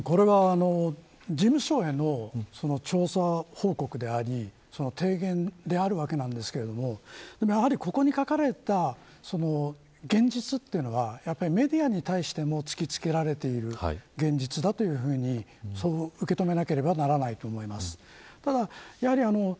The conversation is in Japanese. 事務所への調査報告であり提言であるわけですがやはり、ここに書かれた現実というのはメディアに対しても突きつけられている現実だというふうに受けとめなければならないと思います。